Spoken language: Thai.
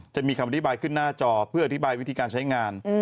จะมีคำอธิบายขึ้นหน้าจอเพื่ออธิบายวิธีการใช้งาน